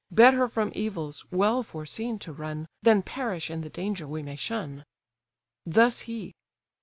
Better from evils, well foreseen, to run, Than perish in the danger we may shun." Thus he.